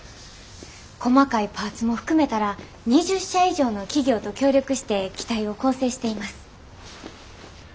細かいパーツも含めたら２０社以上の企業と協力して機体を構成しています。